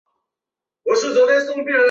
昔日的第五庭院位于最外面的海边。